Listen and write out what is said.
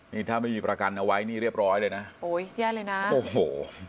นี่ถ้าไม่มีประกันเอาไว้นี่เรียบร้อยเลยนะโอ้ยแย่เลยนะโอ้โห